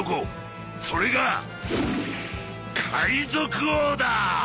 それが海賊王だ！